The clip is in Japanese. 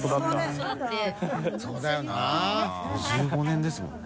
５５年ですもんね。